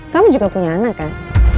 kamu juga punya anak kan